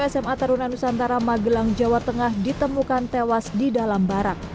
sma taruna nusantara magelang jawa tengah ditemukan tewas di dalam barang